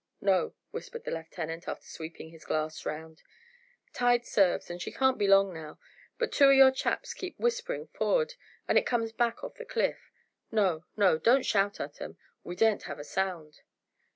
"No," whispered the lieutenant, after sweeping his glass round. "Tide serves, and she can't be long now. But two o' your chaps keep whispering for'ard, and it comes back off the cliff. No, no don't shout at 'em. We daren't have a sound."